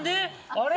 あれ？